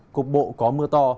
cục bộ có mưa to